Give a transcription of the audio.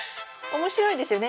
面白いですよね。